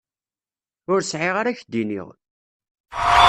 Ur sεiɣ ara k-d-iniɣ.